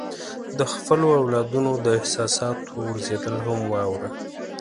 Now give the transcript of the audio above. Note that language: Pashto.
د خپلو اولادونو د احساساتو غورځېدل هم واوره.